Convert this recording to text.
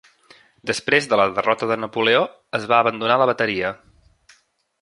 Després de la derrota de Napoleó, es va abandonar la bateria.